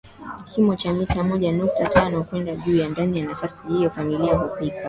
kimo cha mita moja nukta tano kwenda juu Ndani ya nafasi hiyo familia hupika